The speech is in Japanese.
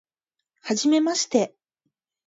はじめまして